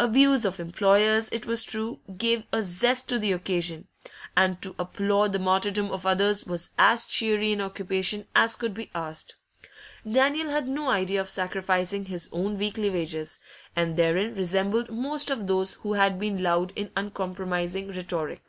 Abuse of employers, it was true, gave a zest to the occasion, and to applaud the martyrdom of others was as cheery an occupation as could be asked; Daniel had no idea of sacrificing his own weekly wages, and therein resembled most of those who had been loud in uncompromising rhetoric.